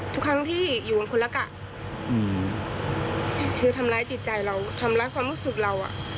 ทุกครั้งที่อยู่กันคนละกะคือทำร้ายจิตใจเราทำร้ายความรู้สึกเราอ่ะ